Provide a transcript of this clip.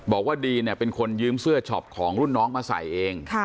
บอกว่าดีเนี่ยเป็นคนยืมเสื้อช็อปของรุ่นน้องมาใส่เอง